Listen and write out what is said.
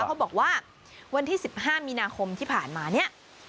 เขาบอกว่าวันที่๑๕มีนาคมที่ผ่านมาเนี่ย